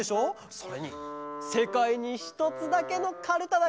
それにせかいにひとつだけのカルタだから！